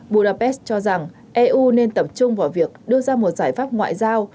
burapest cho rằng eu nên tập trung vào việc đưa ra một giải pháp ngoại giao